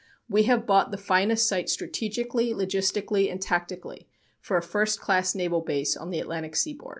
We have bought the finest site strategically, logistically and tactically for a first class naval base on the Atlantic seaboard."